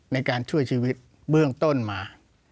ในการช่วยชีวิตเบื้องต้นมา